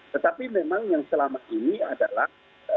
tetapi memang yang selama ini adalah